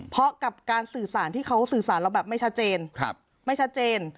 เพราะกับการสื่อสารที่เขาสื่อสารเราแบบไม่ชัดเจนไม่ชัดเจน